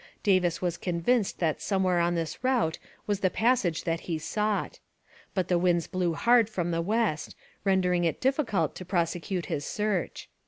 Davis was convinced that somewhere on this route was the passage that he sought. But the winds blew hard from the west, rendering it difficult to prosecute his search.